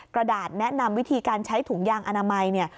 กระดาษแนะนำวิธีการใช้ถุงยางอนามัยเนี่ย